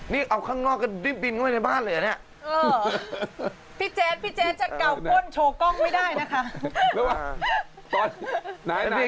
นี่เอาข้างนอกก็ดิ้นบินเข้าไปในบ้านเลยเหรอเนี่ย